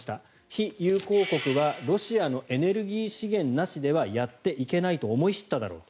非友好国はロシアのエネルギー資源なしではやっていけないと思い知っただろう。